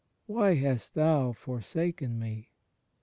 Why hast Thou forsaken me?"